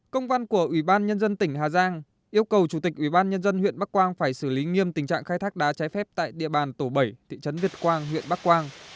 công văn của ủy ban nhân dân tỉnh hà giang yêu cầu chủ tịch ủy ban nhân dân huyện bắc quang phải xử lý nghiêm tình trạng khai thác đá trái phép tại địa bàn tổ bảy thị trấn việt quang huyện bắc quang